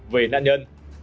về nạn nhân